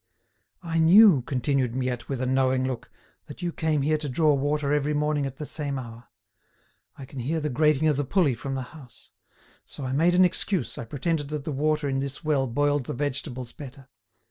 "I knew," continued Miette, with a knowing look, "that you came here to draw water every morning at the same hour. I can hear the grating of the pulley from the house. So I made an excuse, I pretended that the water in this well boiled the vegetables better.